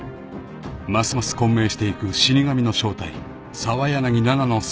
［ますます混迷していく死神の正体澤柳菜々の素顔］